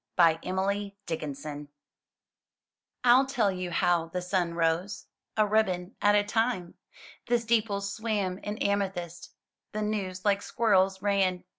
A DAY* Emily Dickinson ril tell you how the sun rose, — A ribbon at a time. The steeples swam in amethyst. The news like squirrels ran.